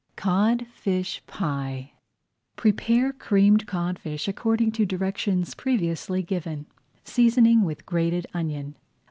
CODFISH PIE Prepare Creamed Codfish according to directions previously given, seasoning with grated onion.